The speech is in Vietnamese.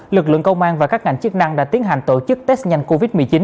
lực lượng công an và các ngành chức năng đã tiến hành tổ chức test nhanh covid một mươi chín